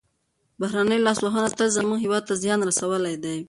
بهرنیو لاسوهنو تل زموږ هېواد ته زیان رسولی دی.